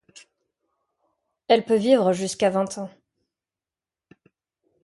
Elle peut vivre jusqu'à vingt ans.